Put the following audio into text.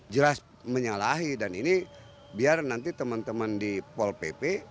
jelas menyalahi dan ini biar nanti teman teman di pol pp